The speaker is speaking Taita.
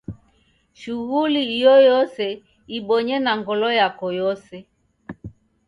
Shughuli iyoyose ibonye na ngolo yako yose.